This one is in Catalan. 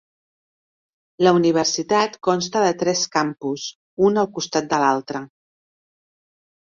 La Universitat consta de tres campus, un al costat de l'altre.